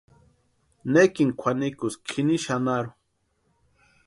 ¿Nékini kwʼanikuski jini xanharhu?